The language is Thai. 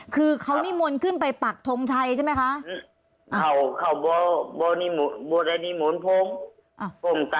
คือเขานิมนต์ขึ้นไปปักทงชัยใช่ไหมคะ